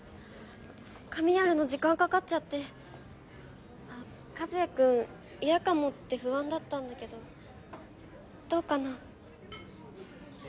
髪やるの時間かかっちゃって和也くん嫌かもって不安だったんだけどどうかな